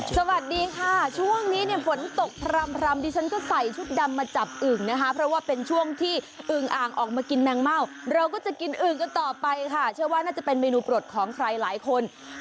สวัสดีค่ะช่วงนี้เนี่ยฝนตกพร่ำดิฉันก็ใส่ชุดดำมาจับอึ่งนะคะเพราะว่าเป็นช่วงที่อึงอ่างออกมากินแมงเม่าเราก็จะกินอึ่งกันต่อไปค่ะเชื่อว่าน่าจะเป็นเมนูปลดของใครหลายคน